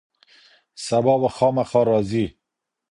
سبا به خامخا راځي.